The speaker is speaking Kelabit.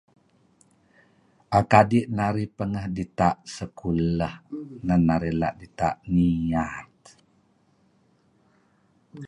err kadi' narih nehpengeh dita' sekulah neh neh narih dita' niyat